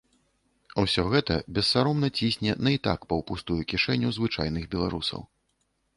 Усё гэта бессаромна цісне на і так паўпустую кішэню звычайных беларусаў.